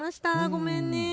ごめんね。